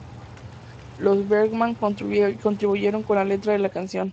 Los Bergman contribuyeron con la letra de la canción.